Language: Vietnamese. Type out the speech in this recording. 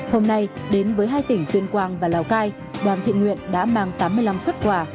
hôm nay đến với hai tỉnh tuyên quang và lào cai đoàn thị nguyện đã mang tám mươi năm xuất quà